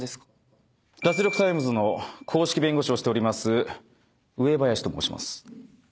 『脱力タイムズ』の公式弁護士をしております上林と申します。